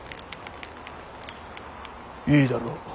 いいだろう。